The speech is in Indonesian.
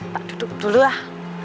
pak duduk dululah